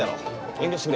遠慮してくれ。